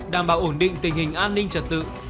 đảm bảo ổn định tình hình an ninh trật tự